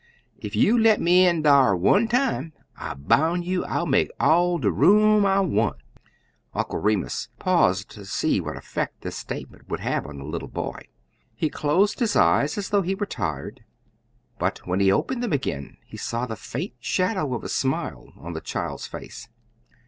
Ef you let me in dar one time, I boun' you I'll make all de room I want.'" Uncle Remus paused to see what effect this statement would have on the little boy. He closed his eyes, as though he were tired, but when he opened them again, he saw the faint shadow of a smile on the child's face.